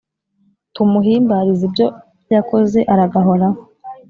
Tumuhimbariz’ibyo yakoze aragahoraho